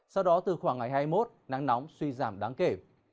sau đó từ khoảng ngày hai mươi một nắng nóng suy giảm đáng kể